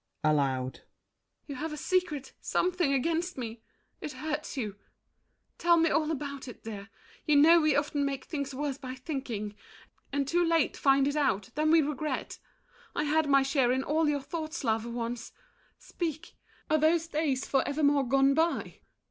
[Aloud.] You have a secret, something against me! It hurts you! Tell me all about it, dear. You know we often make things worse by thinking, And too late find it out; then we regret. I had my share in all your thoughts, love, once! Speak, are those days for evermore gone by?